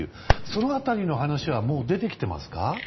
その辺りの話はもう出てきていますか？